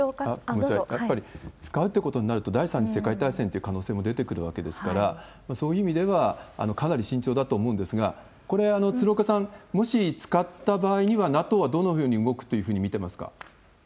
やっぱり使うということになると、第３次世界大戦という可能性も出てくるわけですから、そういう意味ではかなり慎重だと思うんですが、これ、鶴岡さん、もし使った場合には、ＮＡＴＯはどんなふうに動くと見てますか？